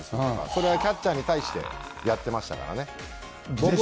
それはキャッチャーに対してやっていましたからね。